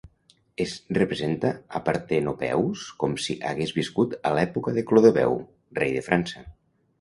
Es representa a Partenopeus com si hagués viscut a l'època de Clodoveu, rei de França.